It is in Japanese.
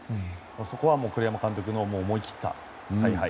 そこは栗山監督の思い切った采配。